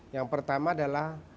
yang pertama adalah simbol bagi mereka